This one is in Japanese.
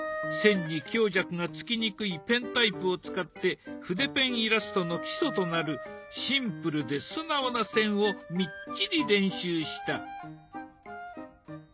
線に強弱がつきにくいペンタイプを使って筆ペンイラストの基礎となるシンプルで素直な線をみっちり練習した。